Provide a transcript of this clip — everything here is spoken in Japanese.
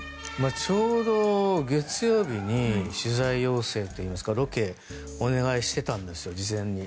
ちょうど月曜日に取材要請というかロケをお願いしていたんです事前に。